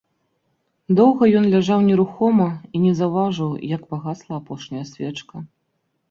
Доўга ён ляжаў нерухома і не заўважыў, як пагасла апошняя свечка.